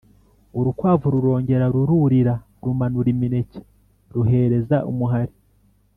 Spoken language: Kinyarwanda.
urukwavu rurongera rururira rumanura imineke ruhereza umuhari